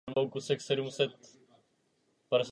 Na Slovensku je chována v Zoo Bratislava.